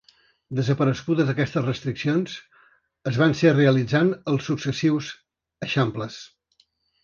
Desaparegudes aquestes restriccions, es van ser realitzant els successius Eixamples.